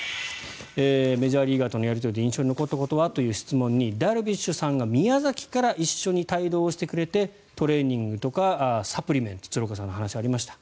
メジャーリーガーとのやり取りで印象に残ったことはという質問でダルビッシュさんが宮崎から一緒に帯同してくれてトレーニングとか、サプリメント鶴岡さんから話がありました。